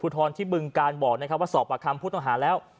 ทรที่บึงการบอกนะครับว่าสอบประคำผู้ต้องหาแล้ว